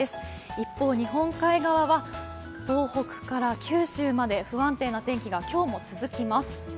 一方、日本海側は東北から九州まで不安定な天気が今日も続きます。